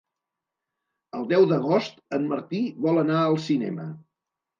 El deu d'agost en Martí vol anar al cinema.